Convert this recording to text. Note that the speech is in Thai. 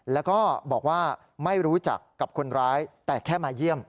แล้วก็บอกว่าไม่รู้จักกับคนร้ายแต่แค่มาเยี่ยม